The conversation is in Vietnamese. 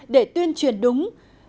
để tuyên truyền đúng